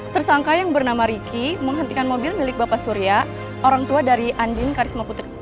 tersangka yang bernama ricky menghentikan mobil milik bapak surya orang tua dari andin karismaputri